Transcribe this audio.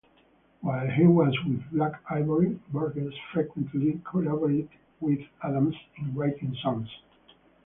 While he was with Black Ivory, Burgess frequently collaborated with Adams in writing songs.